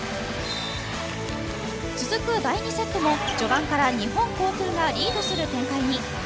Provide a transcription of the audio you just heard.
続く第２セットも序盤から日本航空がリードする展開に。